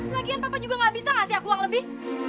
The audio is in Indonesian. lagian papa juga gak bisa gak sih aku uang lebih